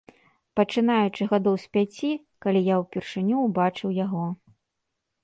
Пачынаючы гадоў з пяці, калі я ўпершыню ўбачыў яго.